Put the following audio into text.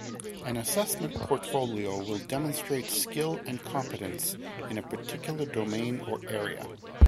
An assessment portfolio will demonstrate skill and competence in a particular domain or area.